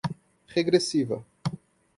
regressiva